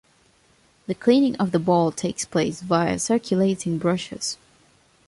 The cleaning of the ball takes place via circulating brushes.